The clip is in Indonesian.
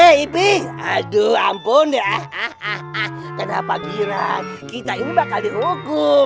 hahaha kenapa gila kita ini bakal dihukum